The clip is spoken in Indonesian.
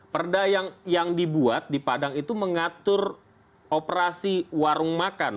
perda yang dibuat di padang itu mengatur operasi warung makan